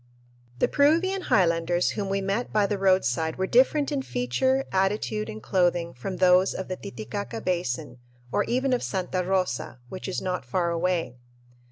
The Peruvian highlanders whom we met by the roadside were different in feature, attitude, and clothing from those of the Titicaca Basin or even of Santa Rosa, which is not far away.